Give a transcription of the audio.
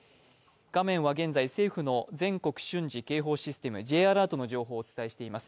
画面は現在政府の全国瞬時警報システム＝Ｊアラートの情報をお伝えしています。